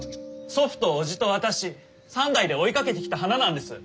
祖父と叔父と私３代で追いかけてきた花なんです！